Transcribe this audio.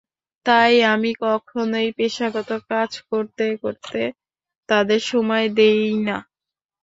তাই আমি কখনোই পেশাগত কাজ করতে করতে তাদের সময় দিই না।